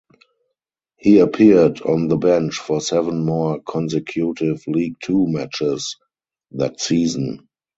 He appeared on the bench for seven more consecutive League Two matches that season.